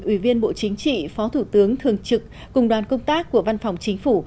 ủy viên bộ chính trị phó thủ tướng thường trực cùng đoàn công tác của văn phòng chính phủ